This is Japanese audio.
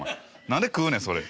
何で食うねんそれ。